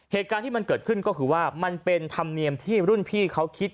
เหตุการณ์ที่มันเกิดขึ้นก็คือว่ามันเป็นธรรมเนียมที่รุ่นพี่เขาคิด